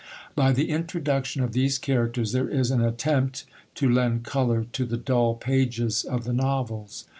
By the introduction of these characters there is an attempt to lend colour to the dull pages of the novels.